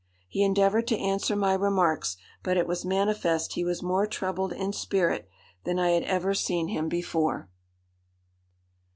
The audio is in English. He endeavoured to answer my remarks, but it was manifest he was more troubled in spirit than I had ever seen him before.